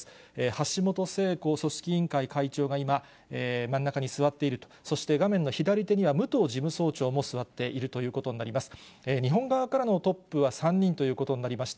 橋本聖子組織委員会会長が今、真ん中に座っていると、そして画面の左手には、武藤事務総長も座っているということになります。